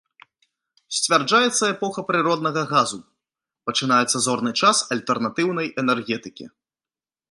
Сцвярджаецца эпоха прыроднага газу, пачынаецца зорны час альтэрнатыўнай энергетыкі.